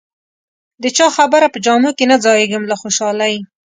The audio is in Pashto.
د چا خبره په جامو کې نه ځایېږم له خوشالۍ.